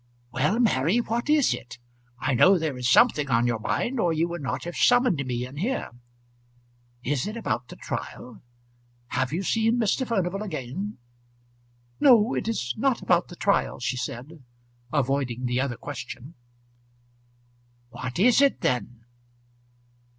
"Well, Mary, what is it? I know there is something on your mind or you would not have summoned me in here. Is it about the trial? Have you seen Mr. Furnival again?" "No; it is not about the trial," she said, avoiding the other question. "What is it then?"